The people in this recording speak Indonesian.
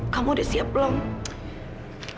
kamu udah siap belum